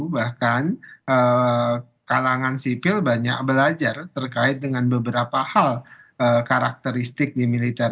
bahkan kalangan sipil banyak belajar terkait dengan beberapa hal karakteristik di militer